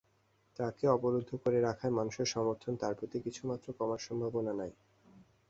তাঁকে অবরুদ্ধ করে রাখায় মানুষের সমর্থন তাঁর প্রতি কিছুমাত্র কমার সম্ভাবনা নেই।